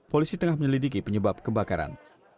polisi tengah menyelidiki penyebab kebakaran